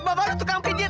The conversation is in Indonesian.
bapak lo tukang pijet